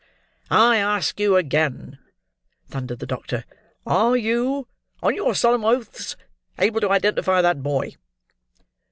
"I ask you again," thundered the doctor, "are you, on your solemn oaths, able to identify that boy?"